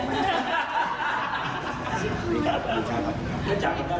ไม่ค่อยสะดวกครับผม